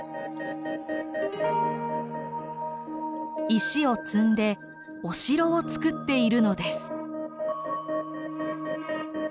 石を積んでお城を作っているのです。